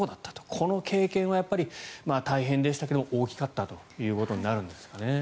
この経験はやっぱり大変でしたけど大きかったということになるんですかね。